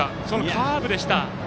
カーブでした。